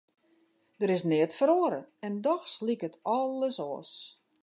Der is neat feroare en dochs liket alles oars.